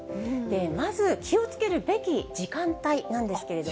まず、気をつけるべき時間帯なんですけれども。